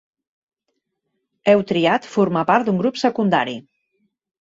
Heu triat formar part d'un grup secundari.